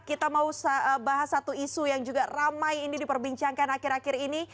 kita mau bahas satu isu yang juga ramai ini diperbincangkan akhir akhir ini